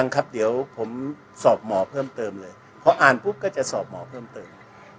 ครับเดี๋ยวผมสอบหมอเพิ่มเติมเลยพออ่านปุ๊บก็จะสอบหมอเพิ่มเติม